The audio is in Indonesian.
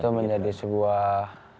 itu menjadi sebuah